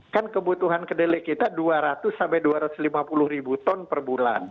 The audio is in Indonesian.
kan kebutuhan kedelai kita dua ratus sampai dua ratus lima puluh ribu ton per bulan